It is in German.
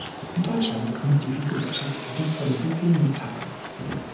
In Deutschland muss die Fluggesellschaft dies vor der Buchung mitteilen.